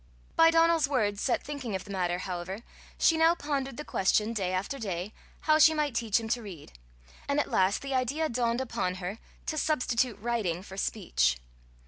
By Donal's words set thinking of the matter, however, she now pondered the question day after day, how she might teach him to read; and at last the idea dawned upon her to substitute writing for speech.